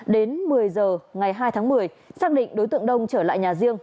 đến một mươi giờ ngày hai tháng một mươi xác định đối tượng đông trở lại nhà riêng